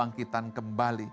yang dipecihkan kepada nilai nilai